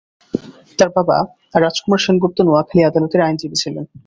তার বাবা রাজকুমার সেনগুপ্ত নোয়াখালী আদালতের আইনজীবী ছিলেন।